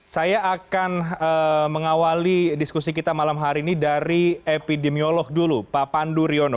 saya akan mengawali diskusi kita malam hari ini dari epidemiolog dulu pak pandu riono